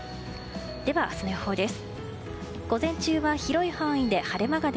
では明日の予報です。